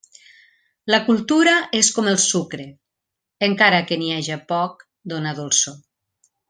La cultura és com el sucre; encara que n'hi haja poc dóna dolçor.